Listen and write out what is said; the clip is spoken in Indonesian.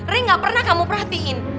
ri gak pernah kamu perhatiin